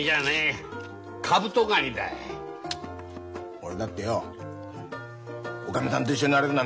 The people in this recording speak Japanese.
俺だってよおかみさんと一緒になれるなんてな